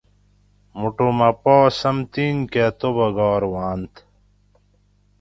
موٹو مہ پا سمتین کہ توبہ گار ہواۤنت